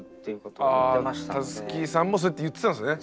タツキさんもそうやって言ってたんですね。